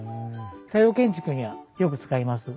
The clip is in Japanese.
西洋建築にはよく使います。